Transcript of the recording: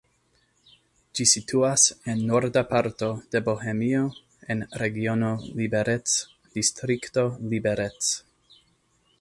Ĝi situas en norda parto de Bohemio, en regiono Liberec, distrikto Liberec.